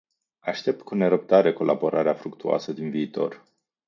Aștept cu nerăbdare colaborarea fructuoasă din viitor.